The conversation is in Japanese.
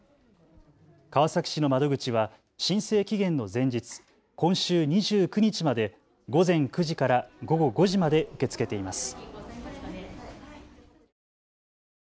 川崎市の窓口は申請期限の前日、今週２９日まで午前９時から午後５時まで受け付けています。